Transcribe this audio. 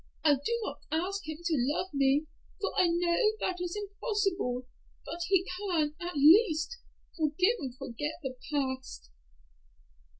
I do not ask him to love me, for I know that is impossible; but he can, at least, forgive and forget the past."